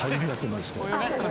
マジで。